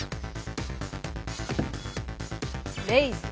レイズ